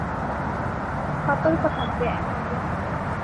সতর্ক থাকবে, অ্যামেলিয়া।